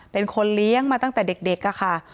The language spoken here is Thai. เป็นคนเลี้ยงมาตั้งแต่เด็กค่ะ